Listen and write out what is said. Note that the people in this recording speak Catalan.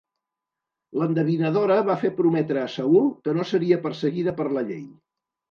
L'endevinadora va fer prometre a Saül que no seria perseguida per la llei.